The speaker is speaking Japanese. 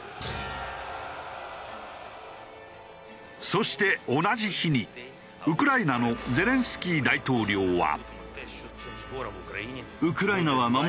そして同じ日にウクライナのゼレンスキー大統領は。